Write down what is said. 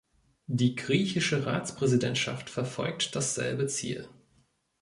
Die griechische Ratspräsidentschaft verfolgt dasselbe Ziel.